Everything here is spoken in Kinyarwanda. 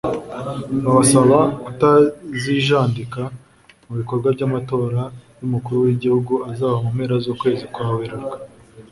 babasaba kutazijandika mu bikorwa by’amatora y’umukuru w’igihugu azaba mu mpera z’ukwezi kwa Werurwe